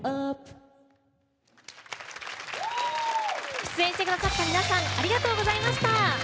出演してくださった皆さんありがとうございました。